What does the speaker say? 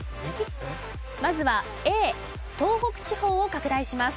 まずはＡ東北地方を拡大します。